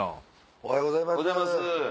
おはようございます。